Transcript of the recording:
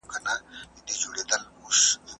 هغه د نظام بقا د ثبات شرط ګڼله.